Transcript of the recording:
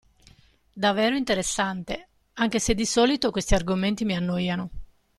Davvero interessante, anche se di solito questi argomenti mi annoiano.